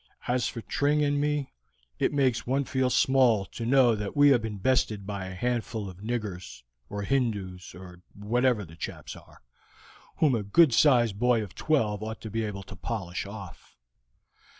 As for Tring and me, it makes one feel small to know that we have been bested by a handful of niggers, or Hindoos, or whatever the chaps are, whom a good sized boy of twelve ought to be able to polish off."